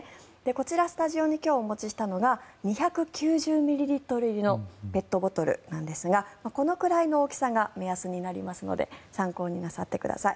こちら、スタジオに今日お持ちしたのが２９０ミリリットル入りのペットボトルなんですがこのくらいの大きさが目安になりますので参考になさってください。